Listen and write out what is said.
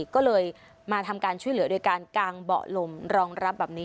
ก็เลยมาทำการช่วยเหลือโดยการกางเบาะลมรองรับแบบนี้